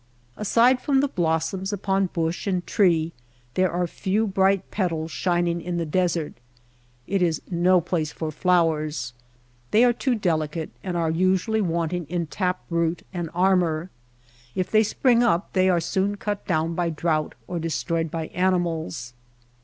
Aside from the blossoms upon bush and tree there are few bright petals shining in the des ert. It is no place for flowers. They are too delicate and are usually wanting in tap root and armor. If they spring up they are soon cut down by drouth or destroyed by animals.